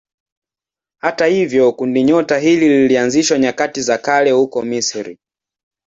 Hata hivyo kundinyota hili lilianzishwa nyakati za kale huko Misri.